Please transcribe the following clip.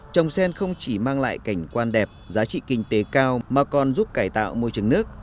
trồng sen không chỉ mang lại cảnh quan đẹp giá trị kinh tế cao mà còn giúp cải tạo môi trường nước